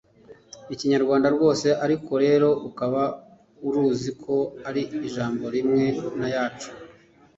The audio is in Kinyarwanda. kinyarwanda rwose, ariko rero ukaba uruzi ko ari ijambo rimwe n’ayacu.